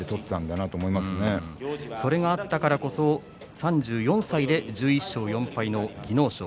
それがあったからこそ３４歳で１１勝４敗の技能賞。